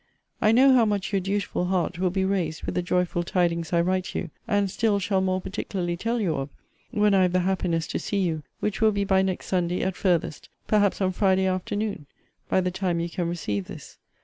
I know how much your dutiful heart will be raised with the joyful tidings I write you, and still shall more particularly tell you of, when I have the happiness to see you: which will be by next Sunday, at farthest; perhaps on Friday afternoon, by the time you can receive this.